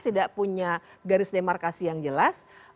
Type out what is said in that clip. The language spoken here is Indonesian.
tidak punya garis demarkasi yang jelas